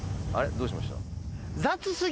どうしました？